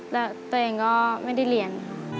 แล้วตัวเองก็ไม่ได้เรียน